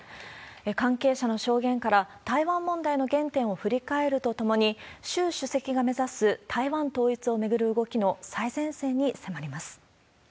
関係者の証言から、台湾問題の原点を振り返るとともに、習主席が目指す、台湾統一を巡る動きの最前線に迫ります。